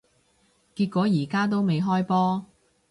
結果而家都未開波